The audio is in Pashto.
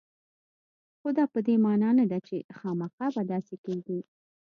خو دا په دې معنا نه ده چې خامخا به داسې کېږي